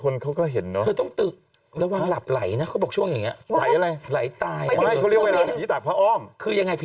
น่าสิคนเขาก็เห็นเนอะเธอต้องตื่น